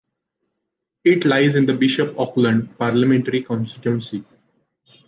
It lies in the Bishop Auckland parliamentary constituency.